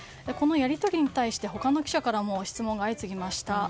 このやり取りに対して他の記者からも質問が相次ぎました。